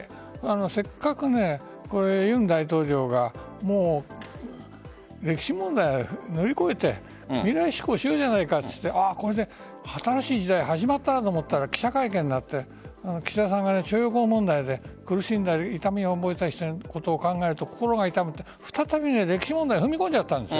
せっかく尹大統領が歴史問題乗り越えて未来志向しようじゃないかといってこれで新しい時代始まったなと思ったら記者会見があって岸田さんが徴用工問題で苦しんだり痛みを思い出していることを考えると心が痛むと再び歴史問題に踏み込んじゃったんです。